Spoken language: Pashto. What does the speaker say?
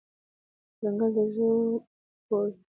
ځنګل د ژوو کور دی.